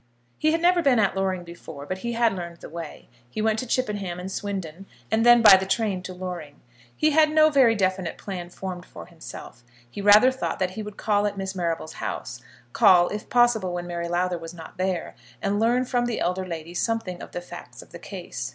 He had never been at Loring before, but he had learned the way. He went to Chippenham and Swindon, and then by the train to Loring. He had no very definite plan formed for himself. He rather thought that he would call at Miss Marrable's house, call if possible when Mary Lowther was not there, and learn from the elder lady something of the facts of the case.